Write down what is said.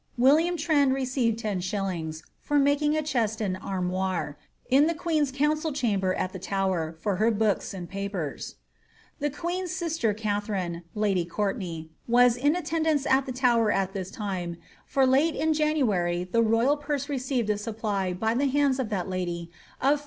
William Trendy received lOs, for making a chest and armoire, in the queen's council chamber at the Tower, for her books and papers. The queen's sister Katharine (lady Courtenay) was in attendance at the Tower at this time, for late in January the royal purse received a supply by the hands of that lady of 46«.